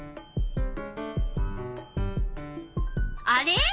あれ？